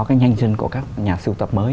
cái nhanh chân của các nhà sưu tập mới